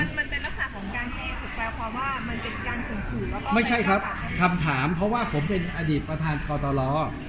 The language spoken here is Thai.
เพราะว่ามันเป็นการส่งผลไม่ใช่ครับคำถามเพราะว่าผมเป็นอดีตประธานกตลอด